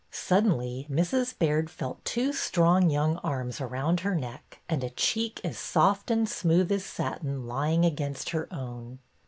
Suddenly Mrs. Baird felt two strong young arms around her neck, and a cheek as soft and smooth as satin lying against her own.